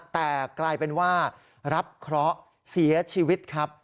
แต่กลายเป็นว่ารับเคราะห์เสียชีวิตครับ